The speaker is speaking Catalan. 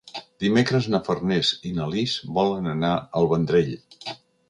Dimecres na Farners i na Lis volen anar al Vendrell.